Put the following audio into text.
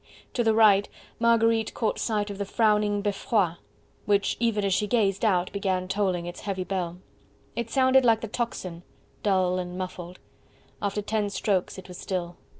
To the right Marguerite caught sight of the frowning Beffroi, which even as she gazed out began tolling its heavy bell. It sounded like the tocsin, dull and muffled. After ten strokes it was still.